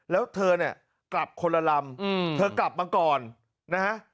แล้วเธอกลับคนละลำเธอกลับมาก่อนนะครับ